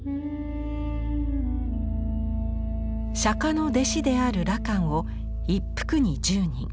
釈迦の弟子である羅漢を１幅に１０人。